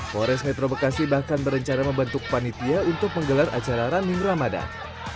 forest metro bekasi bahkan berencana membentuk panitia untuk menggelar acara running ramadan